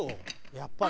やっぱり。